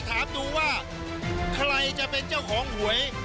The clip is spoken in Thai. ถามดูว่าใครจะเป็นเจ้าของหวย